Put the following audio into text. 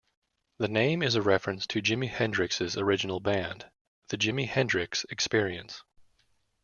The name is a reference to Jimi Hendrix's original band, The Jimi Hendrix Experience.